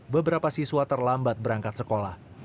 beberapa siswa terlambat berangkat sekolah